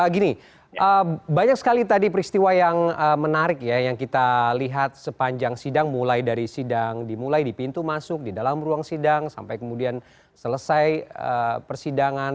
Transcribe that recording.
gini banyak sekali tadi peristiwa yang menarik ya yang kita lihat sepanjang sidang mulai dari sidang dimulai di pintu masuk di dalam ruang sidang sampai kemudian selesai persidangan